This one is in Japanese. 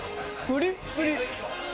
プリプリ。